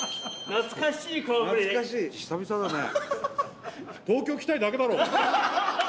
懐かしい久々だね。